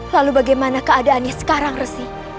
lalu bagaimana keadaannya sekarang resi